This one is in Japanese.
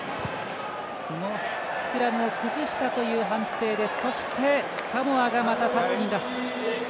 スクラムを崩したという判定でそして、サモアがまたタッチに出した。